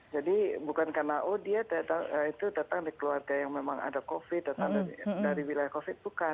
jadi bukan karena oh dia datang dari keluarga yang memang ada covid datang dari wilayah covid bukan